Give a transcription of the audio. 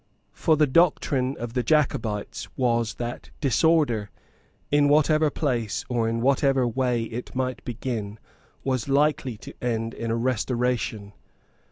For the doctrine of the Jacobites was that disorder, in whatever place or in whatever way it might begin, was likely to end in a Restoration.